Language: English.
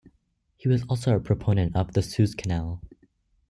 He was also a proponent of a Suez canal.